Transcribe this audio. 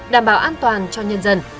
đảm bảo an toàn cho nhân dân